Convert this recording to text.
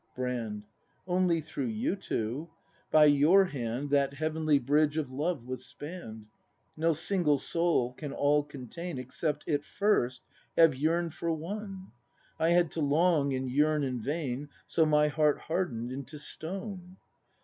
Brand. Only through you two. By your hand That heavenly bridge of love was spann'd; No single soul can all contain Except it first have yearn 'd for one. I had to long and yearn in vain. So my heart harden'd into stone.